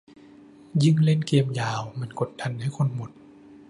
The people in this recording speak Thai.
ยิ่งเล่นเกมยาวมันกดดันให้คนหมด